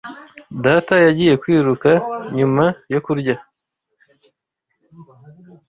Data yagiye kwiruka nyuma yo kurya.